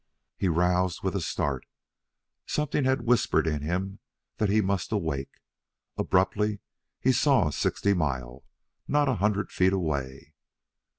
He roused with a start. Something had whispered in him that he must awake. Abruptly he saw Sixty Mile, not a hundred feet away.